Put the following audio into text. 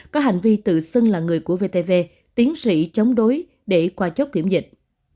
có hành vi tự xưng là người của vtv tiến sĩ chống đối để qua chốt kiểm dịch